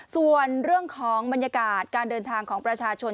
ส่วนเรื่องของบรรยากาศการเดินทางของประชาชน